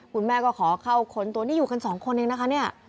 คุณแม่ก็ขอเข้าค้นตัวนี้อยู่กันสองคนเองนะคะเนี่ย